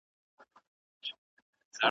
چي پر مځكه انسانان وي دا به كېږي .